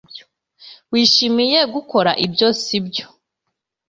Wishimiye gukora ibyo sibyo